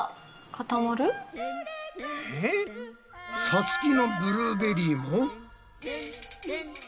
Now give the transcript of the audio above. さつきのブルーベリーも。